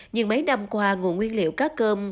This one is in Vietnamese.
nhưng mấy năm qua nguồn nguyên liệu cá cơm